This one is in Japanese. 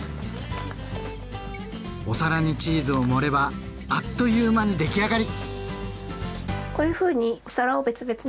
お皿にチーズを盛ればあっという間に出来上がり！